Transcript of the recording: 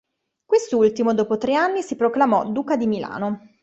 Quest'ultimo, dopo tre anni, si proclamò duca di Milano.